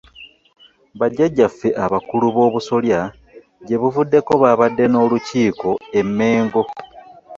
Ba jjajjaffe abakulu b'obusolya gye buvuddeko baabadde n'olukiiko e Mengo.